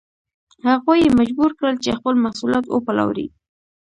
هغوی یې مجبور کړل چې خپل محصولات وپلوري.